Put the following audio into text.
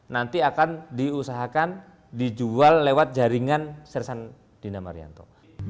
nanti akan diusahakan dijual lewat jaringan serasan dina mardianto